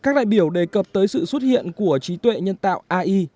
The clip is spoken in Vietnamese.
các đại biểu đề cập tới sự xuất hiện của trí tuệ nhân tạo ai